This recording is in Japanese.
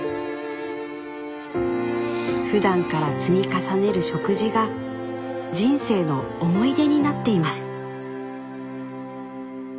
ふだんから積み重ねる食事が人生の思い出になっています。